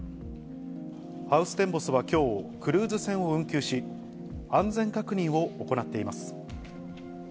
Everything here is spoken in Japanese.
ハウステンボスはきょう、クルーズ船を運休し、安全確認を行っています。